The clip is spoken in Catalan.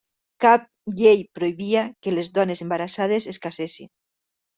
Cap llei prohibia que les dones embarassades es casessin.